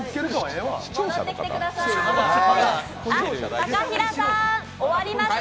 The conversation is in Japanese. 高比良さん終わりました